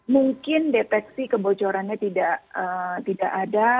mungkin deteksi kebocorannya tidak ada